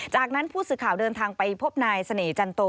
จากนั้นผู้สื่อข่าวเดินทางไปพบนายเสน่หจันโต